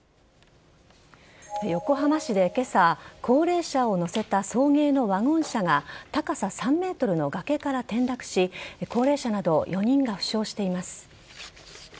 横浜市で今朝高齢者を乗せた送迎のワゴン車が高さ３ｍの崖から転落し高齢者など４人が負傷しています。